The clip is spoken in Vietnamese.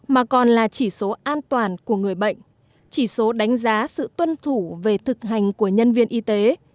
mà còn là chỉ số an toàn của người bệnh chỉ số đánh giá sự tuân thủ về thực hành của nhân viên y tế